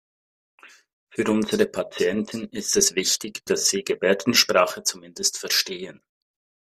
Für unsere Patienten ist es wichtig, dass Sie Gebärdensprache zumindest verstehen.